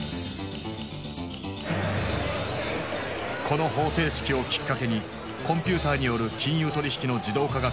この方程式をきっかけにコンピューターによる金融取引の自動化が加速。